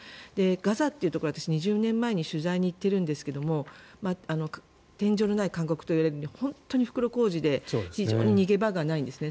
ガザというところは私、２０年前に取材に行ってるんですが天井のない監獄といわれるように本当に袋小路で非常に逃げ場がないんですね。